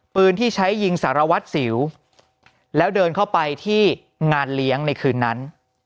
ปืนที่ใช้ยิงสารวัตรสิวแล้วเดินเข้าไปที่งานเลี้ยงในคืนนั้น